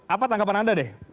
apa tangkapan anda deh